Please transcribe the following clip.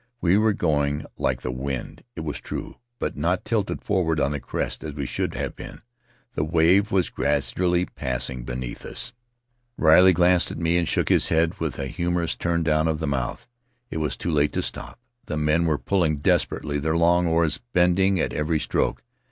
We were going like the wind, it was true, but not tilted forward on the crest as we should have been; the wave was gradually passing beneath us. Riley [971 Faery Lands of the South Seas glanced at me and shook his head with a humorous turndown of the mouth. It was too late to stop — the men were pulling desperately, their long oars bending at every stroke.